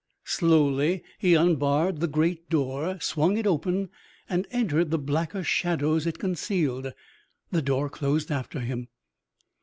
Slowly he unbarred the great door, swung it open, and entered the blacker shadows it concealed. The door closed after him.